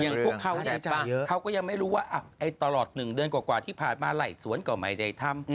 พวกเขาเนี่ยเขาก็ยังไม่รู้ว่าตลอด๑เดือนกว่าที่ผ่านมาไหล่สวนก็ไม่ได้ทำ